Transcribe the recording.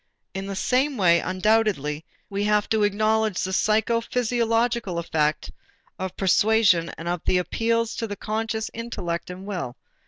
And in the same way undoubtedly we have to acknowledge the psychophysiological effect of persuasion and of the appeals to the conscious intellect and will.